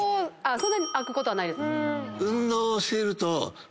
そんなに空くことはないです。